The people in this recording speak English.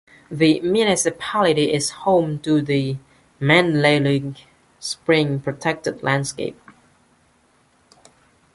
The municipality is home to the Manleluag Spring Protected Landscape.